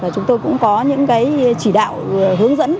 chúng tôi cũng có những chỉ đạo hướng dẫn